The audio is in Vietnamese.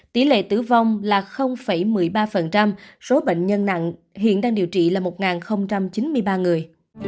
tỷ lệ tử vong là một mươi ba số bệnh nhân nặng hiện đang điều trị là một chín mươi ba người